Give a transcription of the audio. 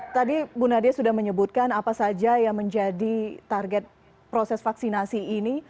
tadi bu nadia sudah menyebutkan apa saja yang menjadi target proses vaksinasi ini